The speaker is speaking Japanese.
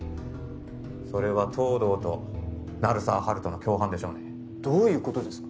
それは東堂と鳴沢温人の共犯でしょうねどういうことですか？